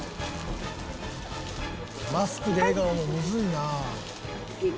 「マスクで笑顔もむずいな」